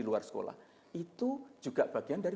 luar sekolah itu juga bagian dari